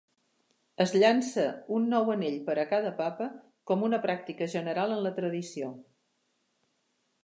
Es llança un nou anell per a cada Papa com una pràctica general en la tradició.